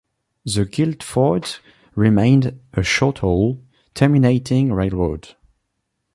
The Guilford remained a short-haul, terminating railroad.